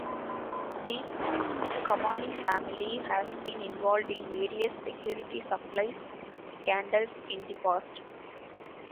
The Kamani family has been involved in various security supplies scandals in the past.